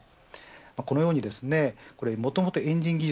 このようにもともとエンジン技術